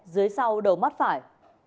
dưới sau đầu mắt phải